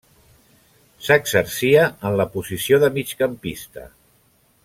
S'exercia en la posició de migcampista.